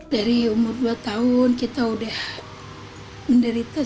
dari umur dua tahun kita sudah menderita kebutaan